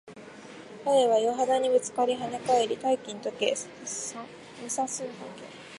光は岩肌にぶつかり、跳ね返り、大気に溶け、霧散するだけ